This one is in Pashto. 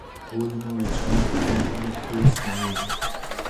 ولې مو ویښتان په کم عمر کې سپینېږي